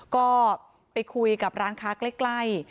ก็ไปคุยกับร้านค้าใกล้